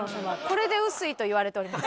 これで薄いと言われております。